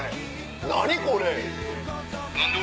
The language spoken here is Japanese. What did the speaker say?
何これ！